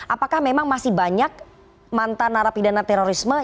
apakah memang masih banyak mantan narapidana terorisme